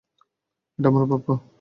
এটা আমার প্রাপ্য।